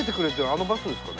あのバスですかね？